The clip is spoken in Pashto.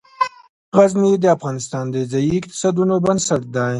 غزني د افغانستان د ځایي اقتصادونو بنسټ دی.